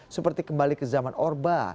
seperti kembali ke zaman orba